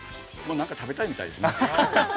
何か食べたいみたいですね。